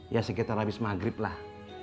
ya sekitar habis maghrib lah